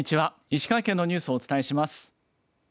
石川県のニュースをお伝えします。